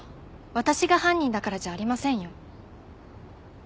私が犯人だからじゃありませんよ。